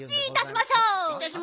いたしましょう。